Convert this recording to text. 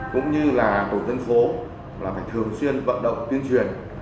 cũng như là tổ tân phố mà phải thường xuyên vận động tuyên truyền